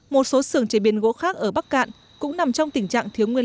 một số sưởng chế biến gỗ khác ở bắc cạn cũng nằm trong tình trạng thiếu nguyên liệu